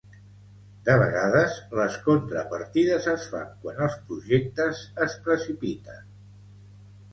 De vegades, les contrapartides es fan quan els projectes es precipiten.